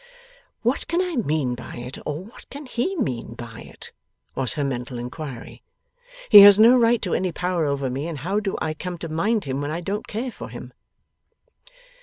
'What can I mean by it, or what can he mean by it?' was her mental inquiry: 'He has no right to any power over me, and how do I come to mind him when I don't care for him?